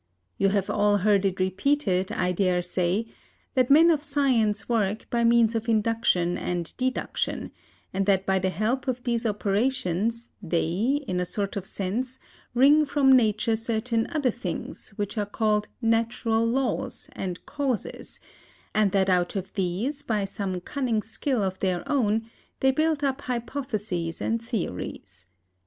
You have all heard it repeated, I dare say, that men of science work by means of induction and deduction, and that by the help of these operations, they, in a sort of sense, wring from Nature certain other things, which are called natural laws, and causes, and that out of these, by some cunning skill of their own, they build up hypotheses and theories.